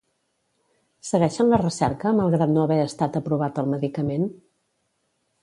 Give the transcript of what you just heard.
Segueixen la recerca malgrat no haver estat aprovat el medicament?